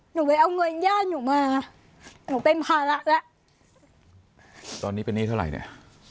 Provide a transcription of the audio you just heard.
หนูไปเอาเงินย่านหนูมาหนูเป็นภาระล่ะตอนนี้เป็นเงี้ยเท่าไรเนี้ย